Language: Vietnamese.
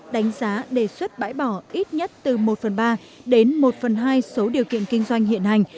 đánh giá đề xuất bãi bỏ ít nhất từ một phần ba đến một phần hai số điều kiện kinh doanh hiện hành